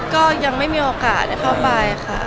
ก็ยังไม่มีโอกาสได้เข้าไปค่ะ